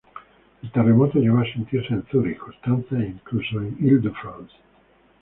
El terremoto llegó a sentirse en Zürich, Constanza e incluso en Île-de-France.